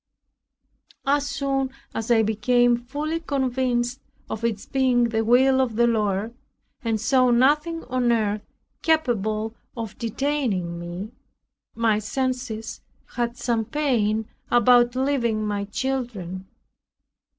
As soon as I became fully convinced of its being the will of the Lord, and saw nothing on earth capable of detaining me, my senses had some pain about leaving my children.